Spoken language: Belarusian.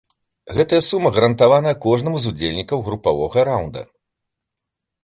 Гэтая сума гарантаваная кожнаму з удзельнікаў групавога раўнда.